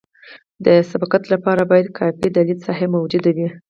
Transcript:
د سبقت لپاره باید کافي د لید ساحه موجوده وي